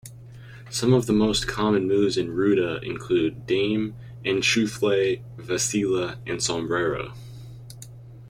Some of the most common moves in Rueda include: Dame, Enchufle, Vacila, and Sombrero.